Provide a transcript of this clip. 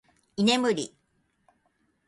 居眠り